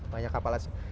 banyak kapal asing